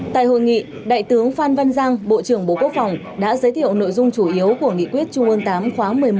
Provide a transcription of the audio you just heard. tại hội nghị đại tướng phan văn giang bộ trưởng bộ quốc phòng đã giới thiệu nội dung chủ yếu của nghị quyết trung ương tám khóa một mươi một